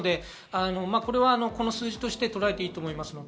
この数字としてとらえていいと思います。